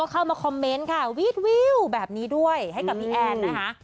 เข้ามาคอมเมนต์ค่ะวีดวิวแบบนี้ด้วยให้กับพี่แอนนะคะ